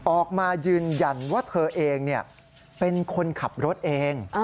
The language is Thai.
ออกมายืนยันว่าเธอเองเป็นคนขับรถเอง